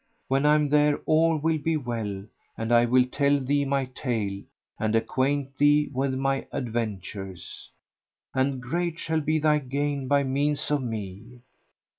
When I am there, all will be well and I will tell thee my tale and acquaint thee with my adventures, and great shall be thy gain by means of me."